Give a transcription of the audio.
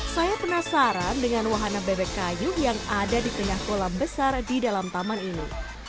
saya penasaran dengan wahana bebek kayu yang ada di tengah kolam besar di dalam taman ini